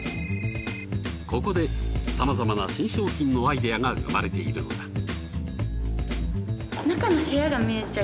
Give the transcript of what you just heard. ここでさまざまな新商品のアイデアが生まれているのだ。